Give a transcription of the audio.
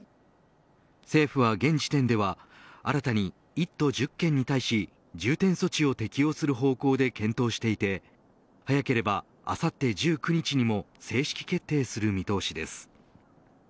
政府は現時点では新たに１都１０県に対し重点措置を適用する方向で検討していて早ければあさって１９日にも正式決定する見通しです。